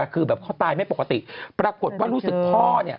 คือแบบเขาตายไม่ปกติปรากฏว่ารู้สึกพ่อเนี่ย